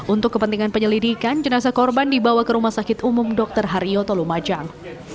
untuk kepentingan penyelidikan jenazah korban dibawa ke rumah sakit umum dr haryoto lumajang